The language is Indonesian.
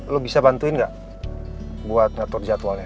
lo bisa bantuin gak buat ngatur jadwalnya